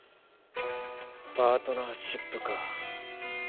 パートナーシップか。